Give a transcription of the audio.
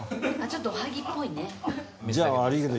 ちょっとおはぎっぽいね。